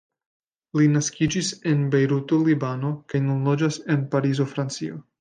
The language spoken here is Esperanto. Li naskiĝis en Bejruto, Libano, kaj nun loĝas en Parizo, Francio.